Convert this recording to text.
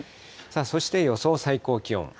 そして予想最高気温。